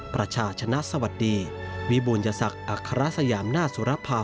ประชาชนะสวัสดีวิบุญศักดิ์อัครสยามนาสุรภาษณ์